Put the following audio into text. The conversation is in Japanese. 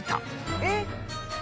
えっ。